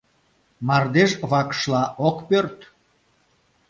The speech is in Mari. Мардеж вакшла ок пӧрд?